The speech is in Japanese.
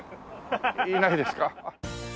いないですか。